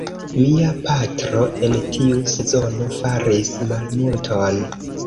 Mia patro en tiu sezono faris malmulton.